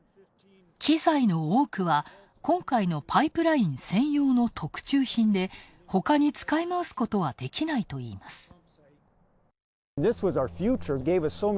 機材の多くは今回のパイプライン専用の特注品でほかに使い回すことはできないといいます。